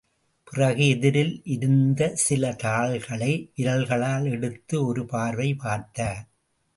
பிறகு எதிரில் இருந்த சில தாள்களை விரல்களால் எடுத்து ஒரு பார்வை பார்த்தார்.